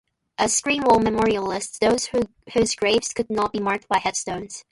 A Screen Wall memorial lists those whose graves could not be marked by headstones.